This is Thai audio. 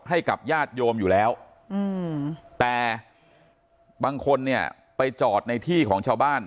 ให้กับญาติโยมอยู่แล้วแต่บางคนเนี่ยไปจอดในที่ของชาวบ้าน